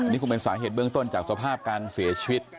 นี่คงเป็นสาเหตุเบื้องต้นจากสภาพการเสียชีวิต